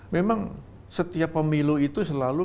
memang setiap pemilu itu selalu